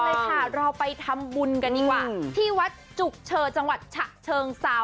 เลยค่ะเราไปทำบุญกันดีกว่าที่วัดจุกเชอจังหวัดฉะเชิงเซา